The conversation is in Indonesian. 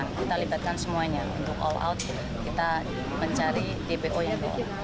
kita lipatkan semuanya untuk all out kita mencari dpo yang diperoleh